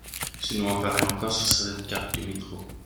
Ce nom apparaît encore sur certaines cartes du métro.